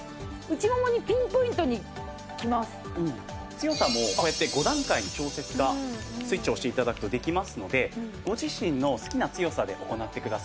強さもこうやって５段階に調節がスイッチを押して頂くとできますのでご自身の好きな強さで行ってください。